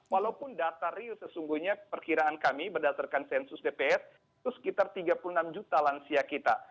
walaupun data real sesungguhnya perkiraan kami berdasarkan sensus dpr itu sekitar tiga puluh enam juta lansia kita